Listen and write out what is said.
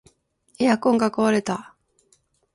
エアコンが壊れた